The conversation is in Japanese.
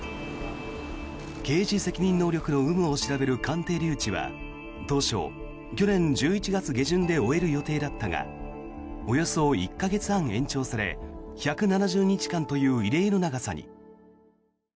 刑事責任能力の有無を調べる鑑定留置は当初、去年１１月下旬で終える予定だったがおよそ１か月半延長され１７０日間という異例の長さに。